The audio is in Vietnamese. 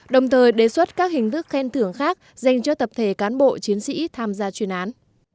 đồng thời đề xuất các hình thức khen thưởng khác dành cho tập thể cán bộ chiến sĩ tham gia chuyên án